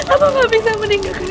apa gak bisa meninggalkan